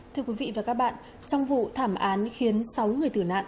thưa quý vị và các bạn trong vụ thảm án khiến sáu người tử nạn